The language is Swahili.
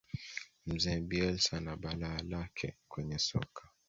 mzee bielsa ana balaa lake kwenye soka